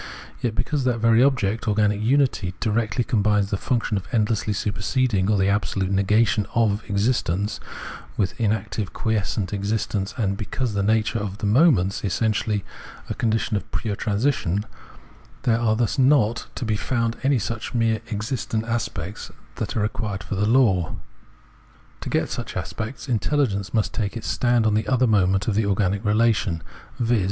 Yet, because that very object, organic unity, directly combines the function of endlessly superseding, or the absolute negation of, existence with inactive quiescent exist ence, and because the nature of the moments is essen tially a condition of pure transition, — there are thus not 268 Phenomenology of Mind to be found any sucli merely existent aspects as are required for the law.. To get such aspects, intelligence must take its stand on the other moment of the organic relation, viz.